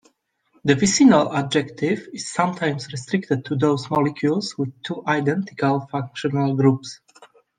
The vicinal adjective is sometimes restricted to those molecules with two "identical" functional groups.